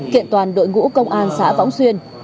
kiện toàn đội ngũ công an xã võng xuyên